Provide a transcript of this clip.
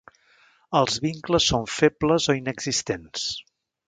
Els vincles són febles o inexistents.